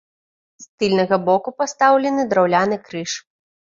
З тыльнага боку пастаўлены драўляны крыж.